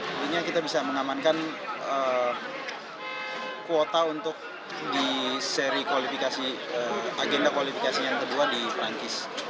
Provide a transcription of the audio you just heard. intinya kita bisa mengamankan kuota untuk di seri agenda kualifikasi yang kedua di perancis